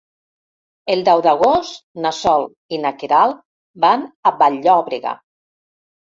El deu d'agost na Sol i na Queralt van a Vall-llobrega.